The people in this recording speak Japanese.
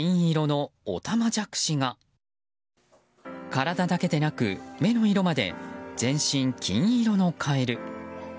体だけでなく目の色まで全身金色のカエル。